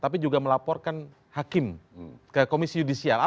tapi juga melaporkan hakim ke komisi yudisial